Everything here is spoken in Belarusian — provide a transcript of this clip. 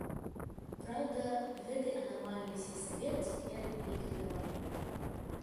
Праўда, гэты анамальны сельсавет цяпер ліквідаваны.